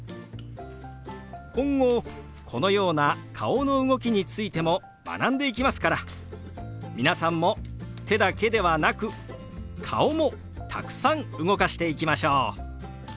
今後このような顔の動きについても学んでいきますから皆さんも手だけではなく顔もたくさん動かしていきましょう。